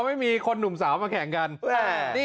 อ่าไม่มีคนหนุ่มสาวมาแข่งกันเนี่ย